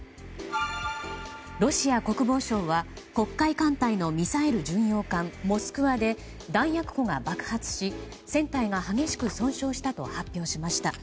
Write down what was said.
ロシア国防省は黒海艦隊のミサイル巡洋艦「モスクワ」で弾薬庫が爆発し、船体が激しく損傷したと発表しました。